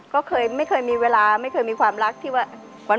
ก็เคยไม่เคยมีเวลาไม่เคยมีความรักที่ว่า